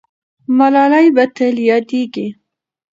ملالۍ به تل یادېږي.